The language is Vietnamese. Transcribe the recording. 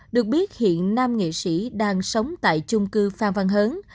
được biết hiện nam nghệ sĩ đang sống tại chung cư phan văn hớn